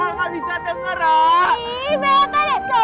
opa gak bisa denger ah